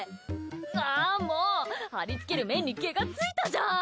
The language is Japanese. ああもう、貼り付ける面に毛がついたじゃん。